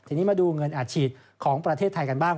ทีนี้มาดูเงินอัดฉีดของประเทศไทยกันบ้าง